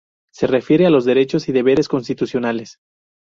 Se refiere a "Los derechos y deberes constitucionales".